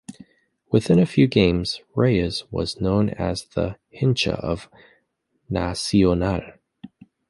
Within a few games, Reyes was known as the "hincha" of Nacional.